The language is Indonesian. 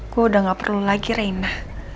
gue udah gak perlu lagi reina